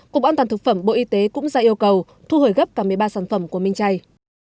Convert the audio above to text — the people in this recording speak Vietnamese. cục an toàn thực phẩm bộ y tế cũng ra yêu cầu thu hồi gấp cả một mươi ba sản phẩm của minh chay